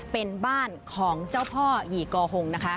เป็นบ้านของเจ้าพ่อหยี่กอหงนะคะ